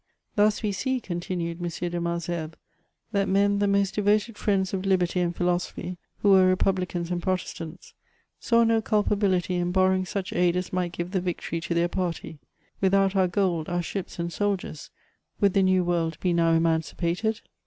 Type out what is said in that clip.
" Thus we see," continued M. de Malesherbes, " that men the most devoted friends of liberty and philosophy, who were republicans and Protestants, saw no culpability m borrowing such aid as might give the victory to their party. Without our gold, our ships, and soldiers, would the New World be now emancipated